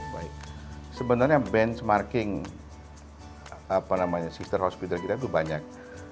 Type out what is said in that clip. baik sebenarnya benchmarking sister hospital kita itu banyak